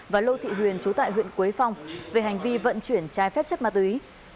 và lô thị huyền chú tại huyện quế phong về hành vi vận chuyển trái phép chất ma túy